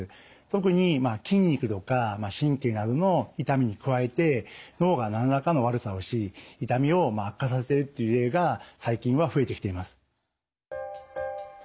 特に筋肉とか神経などの痛みに加えて脳が何らかの悪さをし痛みを悪化させるっていう例が最近は増えてきています。